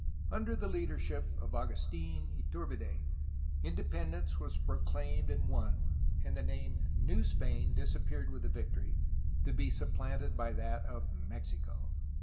Under the leadership of Agustfn Iturbide, independence was pro claimed and won, and the name ^^New Spain" disappeared with the victory, to be supplanted by that of "Mexico."